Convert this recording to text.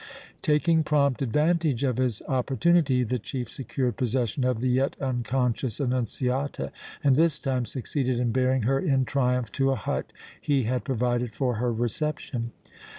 Taking prompt advantage of his opportunity, the chief secured possession of the yet unconscious Annunziata and this time succeeded in bearing her in triumph to a hut he had provided for her reception."